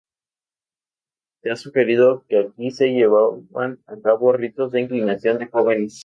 Se ha sugerido que aquí se llevaban a cabo ritos de iniciación de jóvenes.